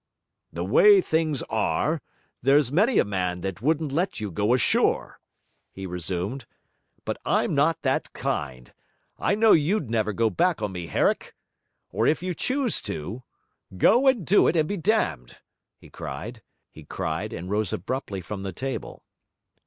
'The way things are, there's many a man that wouldn't let you go ashore,' he resumed. 'But I'm not that kind. I know you'd never go back on me, Herrick! Or if you choose to go, and do it, and be damned!' he cried, and rose abruptly from the table.